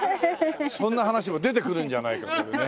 そんな話も出てくるんじゃないかというね。